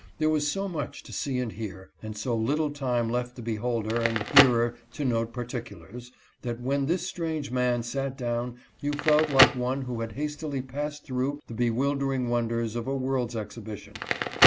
There was so much to see and hear, and so little time left the beholder and hearer to note particulars, that when this strange man sat down you felt like one who had hastily passed through the bewilder ing wonders of a world's exhibition.